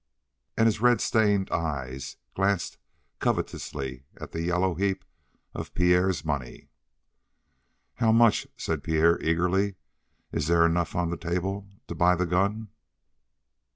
And his red stained eyes glanced covetously at the yellow heap of Pierre's money. "How much?" said Pierre eagerly. "Is there enough on the table to buy the gun?"